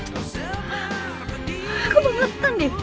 kok bangetan di